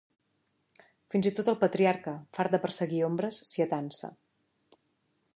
Fins i tot el patriarca, fart de perseguir ombres, s'hi atansa.